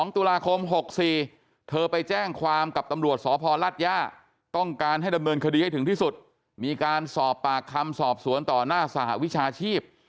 ตุลาคม๖๔เธอไปแจ้งความกับตำรวจสพรัฐย่าต้องการให้ดำเนินคดีให้ถึงที่สุดมีการสอบปากคำสอบสวนต่อหน้าสหวิชาชีพ